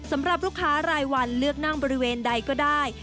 สำหรับลูกค้ารายวันเลือกนั่งบริเวณใดก็ได้